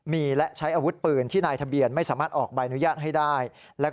มีและใช้อาวุธปืนที่นายทะเบียนไม่สามารถออกใบอนุญาตให้ได้